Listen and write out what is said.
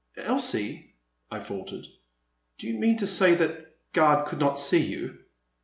Elsie, I faltered, do you mean to say that guard could not see you ?